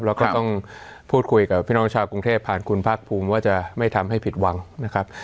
แล้วก็ต้องพูดคุยกับพี่น้องชาวกรุงเทพผ่านคุณภาคภูมิว่าจะไม่ทำให้ผิดหวังนะครับ